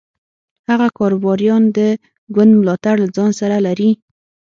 هغه کاروباریان د ګوند ملاتړ له ځان سره لري.